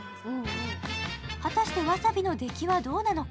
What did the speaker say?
果たしてわさびの出来はどうなのか。